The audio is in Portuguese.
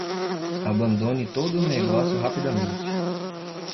Abandone todo o negócio rapidamente.